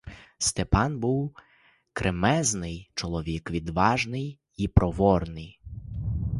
Степан був кремезний чоловік, відважний і проворний.